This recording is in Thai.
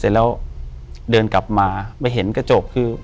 เสร็จแล้วเดินกลับมาไปเห็นกระจกคือ